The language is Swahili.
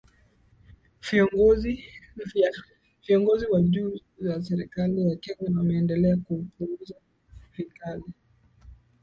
viongozi wa juu wa serikali ya kenya wameendelea kuupuuza vikali